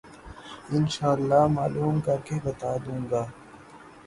ان شاءاللہ معلوم کر کے بتا دوں گا۔